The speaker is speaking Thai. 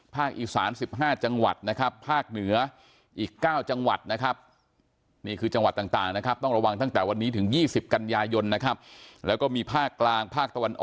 ภาคอีก๓๕จังหวัดนะครับภาคเหนืออีก๙จังหวัดนะครับ